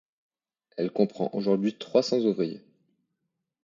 Elle comprend aujourd’hui trois cents ouvriers.